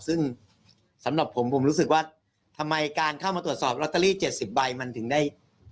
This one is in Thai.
ซึ่งสำหรับผมผมรู้สึกว่าทำไมการเข้ามาตรวจสอบลอตเตอรี่๗๐ใบมันถึงได้